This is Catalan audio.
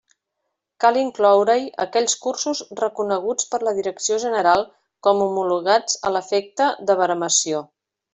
Cal incloure-hi aquells cursos reconeguts per la Direcció General com homologats a l'efecte de baremació.